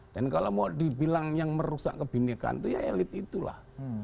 dan kalau mau dibilang yang merusak kebenekaan itu ya elite itulah